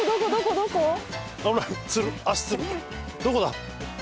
どこだ？